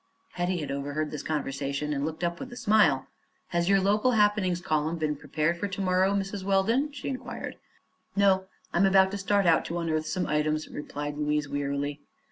Hetty had overheard this conversation and now looked up with a smile. "Has your 'local happenings' column been prepared for to morrow, Mrs. Weldon?" she inquired. "No; I'm about to start out to unearth some items," replied Louise, wearily.